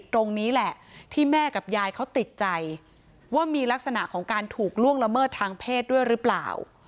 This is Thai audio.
ตรงนี้แหละที่แม่กับยายเขาติดใจว่ามีลักษณะของการถูกล่วงละเมิดทางเพศด้วยหรือเปล่า